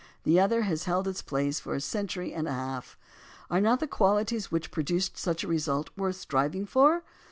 The other has held its place for a century and a half. Are not the qualities which produced such a result worth striving for?